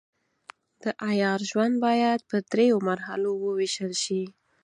د عیار ژوند باید پر دریو مرحلو وویشل شي.